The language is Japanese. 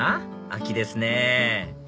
秋ですね